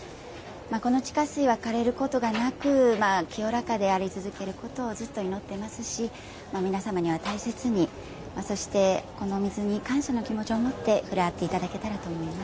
この地下水はかれることがなく清らかであり続けることをずっと祈ってますし皆様には大切にそしてこの水に感謝の気持ちを持って触れ合っていただけたらと思います。